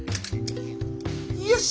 よし！